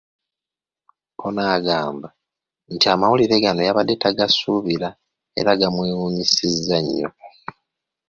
Ono agamba nti amawulire gano yabadde tagasuubira era gaamwewuunyisizza nnyo.